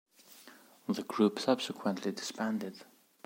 The group subsequently disbanded.